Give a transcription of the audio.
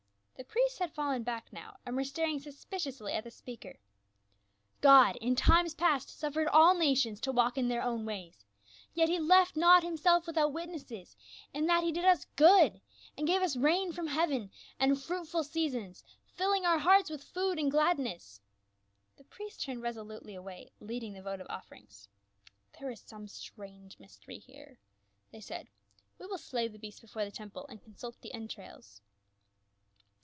The priests had fallen back now, and were staring suspiciously at the speaker. " God in times past suffered all nations to walk in their own ways ; yet he left not himself without wit nesses, in that he did us good, and gave us rain from heaven, and fruitful seasons, filling our hearts with food and gladness." The priests turned resolutely away, leading the vo tive offerings. "There is some strange mystery here," they said. " We will slay the beasts before the tem ple and consult the entrails."